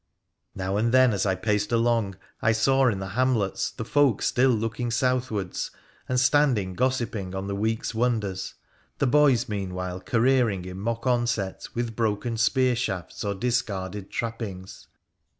Now and then, as I paced along, I saw in the hamlets the folk still looking southward, and standing gossiping on the week's wonders, the boys meanwhile careering in mock onset with broken spear shafts or discarded trappings.